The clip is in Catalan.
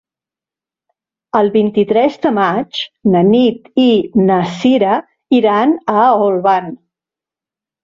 El vint-i-tres de maig na Nit i na Cira iran a Olvan.